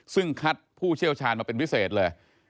ซึ่งคัดผู้เชี่ยวชาญมาเป็นพิเศษเลย